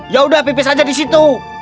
yaudah pipis aja disitu